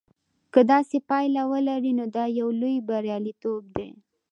که داسې پایله ولري نو دا یو لوی بریالیتوب دی.